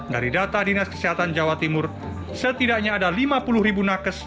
dari data dinas kesehatan jawa timur setidaknya ada lima puluh ribu nakes